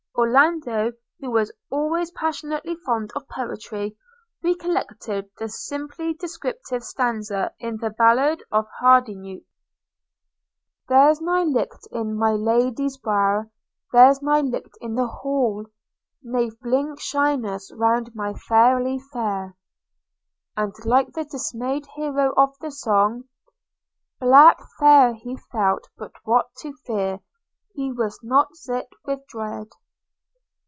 Orlando, who was always passionately fond of poetry, recollected the simply descriptive stanza in the ballad of Hardyknute: 'Theirs nae licht in my lady's bowir, Theirs nae licht in the hall; Nae blink shynes round my fairly fair –' And, like the dismayed hero of the song, 'Black feir he felt, but what to fear He wist not zit with dreid.'